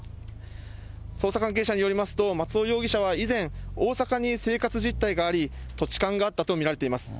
捜査関係者によりますと、松尾容疑者は以前、大阪に生活実態があり、土地勘があったと見られています。